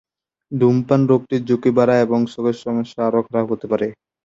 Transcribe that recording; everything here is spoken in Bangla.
ধূমপান রোগটির ঝুঁকি বাড়ায় এবং চোখের সমস্যা আরও খারাপ হতে পারে।